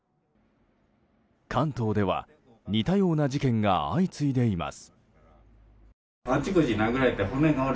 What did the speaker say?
関東では似たような事件が相次いでいます。